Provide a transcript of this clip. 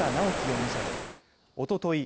容疑者でおととい